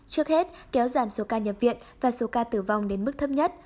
trước hết kéo giảm số ca nhập viện và số ca tử vong đến mức thấp nhất